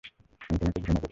আমি তোমাকে ঘৃণা করি!